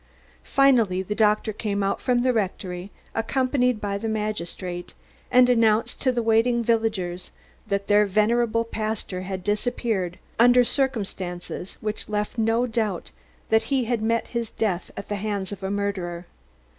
Finally the doctor came out from the rectory, accompanied by the magistrate, and announced to the waiting villagers that their venerable pastor had disappeared under circumstances which left no doubt that he had met his death at the hand of a murderer.